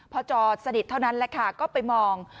พอจอดสนิทเท่านั้นแหละค่ะก็ไปมอง